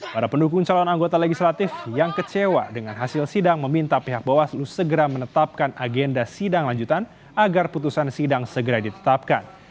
para pendukung calon anggota legislatif yang kecewa dengan hasil sidang meminta pihak bawaslu segera menetapkan agenda sidang lanjutan agar putusan sidang segera ditetapkan